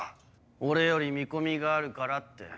俺より見込みがあるからって。